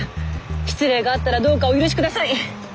失礼があったらどうかお許しください。